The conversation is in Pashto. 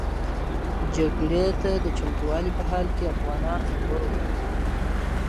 جګړې ته د چمتووالي په حال کې افغانان زړور و.